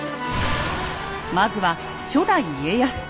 まずは初代家康。